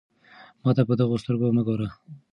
ما ته په دغو سترګو مه ګوره.